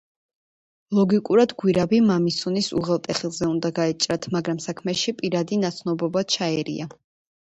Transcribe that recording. ლოგიკურად გვირაბი მამისონის უღელტეხილზე უნდა გაეჭრათ, მაგრამ საქმეში პირადი ნაცნობობა ჩაერია.